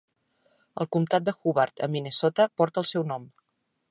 El comtat de Hubbard, a Minnesota, porta el seu nom.